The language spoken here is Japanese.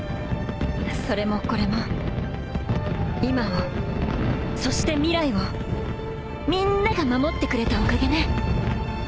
それもこれも今をそして未来をみんなが守ってくれたおかげね。